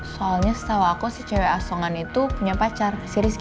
soalnya setahu aku si cewek asongan itu punya pacar si rizky